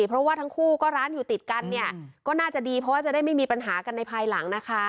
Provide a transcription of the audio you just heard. เพราะว่าทั้งคู่ก็ร้านอยู่ติดกันเนี่ยก็น่าจะดีเพราะว่าจะได้ไม่มีปัญหากันในภายหลังนะคะ